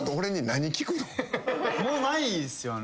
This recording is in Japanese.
もうないっすよね。